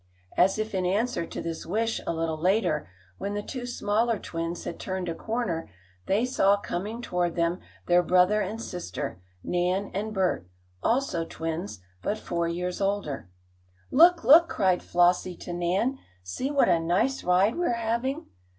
As if in answer to this wish a little later, when the two smaller twins had turned a corner, they saw coming toward them their brother and sister Nan and Bert, also twins, but four years older. "Look, look!" cried Flossie to Nan. "See what a nice ride we're having."